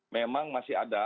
memang masih ada